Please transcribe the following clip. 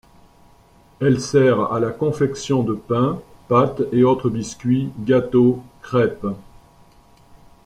Elle sert à la confection de pain, pâtes, et autres biscuits, gâteaux, crêpes...